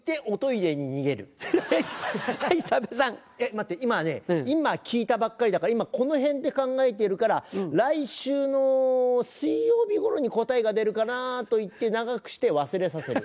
「待って今ね今聞いたばっかりだから今この辺で考えているから来週の水曜日頃に答えが出るかな」と言って長くして忘れさせる。